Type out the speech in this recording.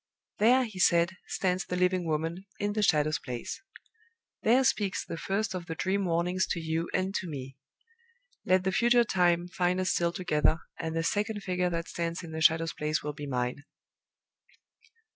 "There," he said, "stands the living Woman, in the Shadow's place! There speaks the first of the dream warnings to you and to me! Let the future time find us still together, and the second figure that stands in the Shadow's place will be Mine."